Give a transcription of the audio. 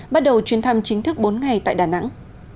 bắt đầu chuyến thăm chính thức bốn ngày tại đà nẵng